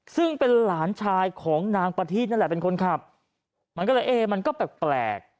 ซึ่งเป็นหลานชายของนางประทีนั่นแหละเป็นคนขับมันก็เลยเอ๊ะมันก็แปลก